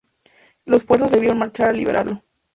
Los refuerzos debieron marchar a liberarlo.